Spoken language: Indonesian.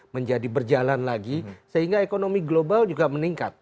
menjadi berjalan lagi sehingga ekonomi global juga meningkat